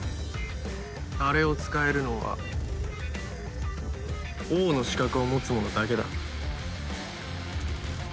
あれを使えるのは王の資格を持つ者だけだ。